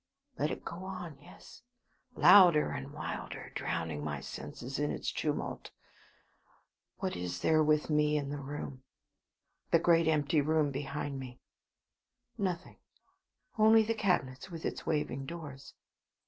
Let it go on, yes, louder and wilder, drowning my senses in its tumult. What is there with me in the room the great empty room behind me? Nothing; only the cabinet with its waving doors.